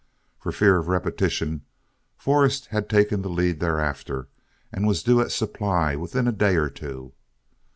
For fear of a repetition, Forrest had taken the lead thereafter, and was due at Supply within a day or two.